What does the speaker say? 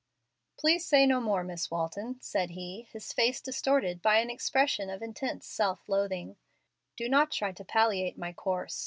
"Please say no more, Miss Walton," said he, his face distorted by an expression of intense self loathing. "Do not try to palliate my course.